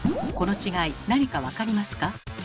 この違いなにか分かりますか？